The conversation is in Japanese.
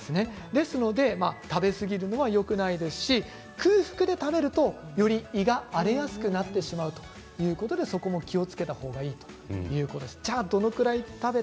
ですので食べ過ぎるのはよくないですし空腹で食べると、より胃が荒れやすくなってしまうということでそこも気をつけた方がいいということでした。